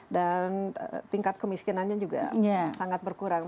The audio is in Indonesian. dan tingkat kemiskinannya juga sangat berkurang